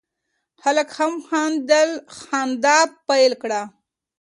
خلک هم خندا پیل کړه.